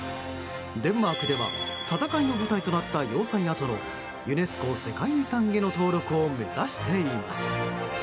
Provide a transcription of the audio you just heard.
デンマークでは戦いの舞台になった要塞跡のユネスコ世界遺産への登録を目指しています。